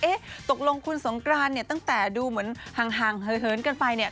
ตกลงคุณสงกรานเนี่ยตั้งแต่ดูเหมือนห่างเหินกันไปเนี่ย